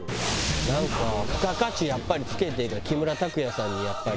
なんか付加価値やっぱり付けて木村拓哉さんにやっぱり。